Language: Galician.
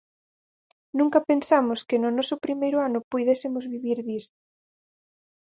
Nunca pensamos que no noso primeiro ano puidésemos vivir disto.